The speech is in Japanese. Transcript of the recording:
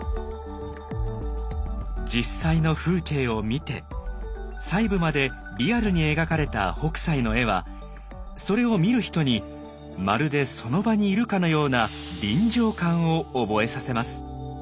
実際の風景を見て細部までリアルに描かれた北斎の絵はそれを見る人にまるでその場にいるかのような「臨場感」を覚えさせます。